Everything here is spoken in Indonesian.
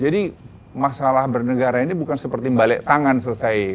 jadi masalah bernegara ini bukan seperti balik tangan selesai